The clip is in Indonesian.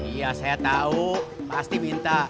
iya saya tahu pasti minta